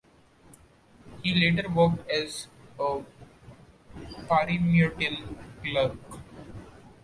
He later worked as a parimutuel clerk.